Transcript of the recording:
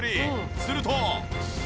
すると。